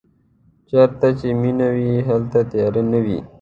چېرته چې مینه وي هلته تیارې نه وي.